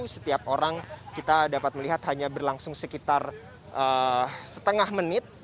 setiap orang kita dapat melihat hanya berlangsung sekitar setengah menit